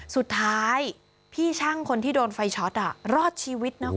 สุดท้ายพี่ช่างคนที่โดนไฟช็อตอ่ะ